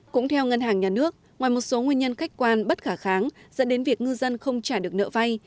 cũng theo ngân hàng nhà nước ngoài một số nguyên nhân khách quan bất khả kháng dẫn đến việc ngư dân không trả được nợ vay